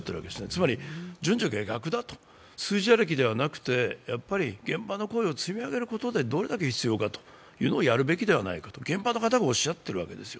順序が逆だと、数字ありきではなくて現場の声を積み上げることでどれだけ必要かをやるべきじゃないかと現場の方がおっしゃているわけです。